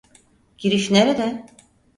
Giriş nerede?